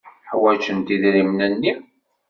Ḥwajent idrimen-nni.